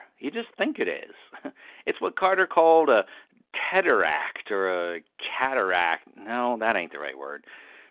You just think it is. It's what Carter called a teteract, or a cataract ... no, that ain't the right word.